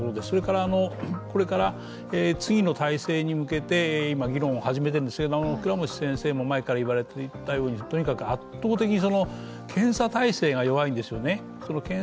それから、これから次の体制に向けて今、議論を始めているんですけれども、倉持先生も前から言われていたように、とにかく圧倒的に検査体制が弱いんですよね。